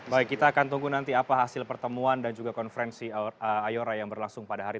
baik kita akan tunggu nanti apa hasil pertemuan dan juga konferensi ayora yang berlangsung pada hari